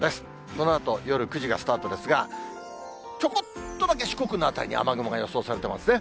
このあと夜９時がスタートですが、ちょこっとだけ四国の辺りに雨雲が予想されてますね。